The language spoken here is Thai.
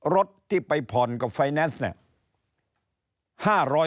รถที่ไปผ่อนกับไฟแนนซ์เนี่ย